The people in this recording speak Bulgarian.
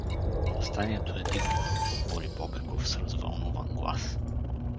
— Въстанието е дигнато — отговори Бобеков с развълнуван глас.